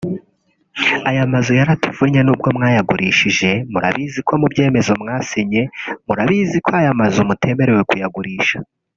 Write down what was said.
Aya mazu yaratuvunnye nubwo mwayagurishije murabizi ko mu byemezo mwasinye murabizi ko aya mazu mutemerewe kuyagurisha